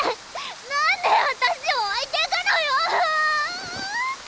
何で私を置いてくのよ！